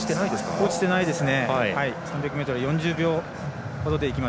落ちてないですね。